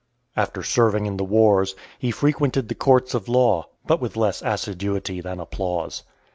After serving in the wars, he frequented the courts of law, but with less assiduity than applause.